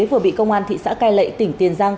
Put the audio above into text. vừa bị công an thị xã cai lệ tỉnh tiền giang